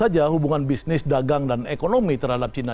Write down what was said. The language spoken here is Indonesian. bagus saja hubungan bisnis dagang dan ekonomi terhadap china